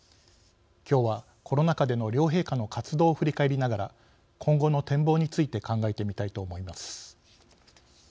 今日は、コロナ禍での両陛下の活動を振り返りながら今後の展望について考えてみたいと思います。